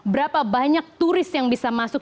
berapa banyak turis yang bisa masuk